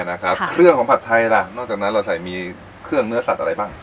นะครับเครื่องของผัดไทยล่ะนอกจากนั้นเราใส่มีเครื่องเนื้อสัตว์อะไรบ้าง